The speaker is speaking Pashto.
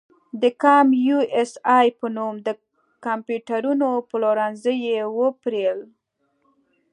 د کمپ یو اس اې په نوم د کمپیوټرونو پلورنځي یې وپېرل.